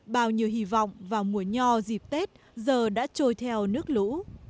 bao nhiêu hy vọng vào mùa nho dịp tết giờ đã trôi theo nước lũ